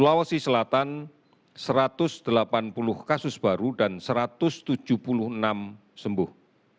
sulawesi selatan satu ratus delapan puluh kasus baru dan satu ratus tujuh puluh enam sembuh